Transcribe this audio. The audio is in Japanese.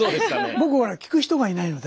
僕ほら聞く人がいないので。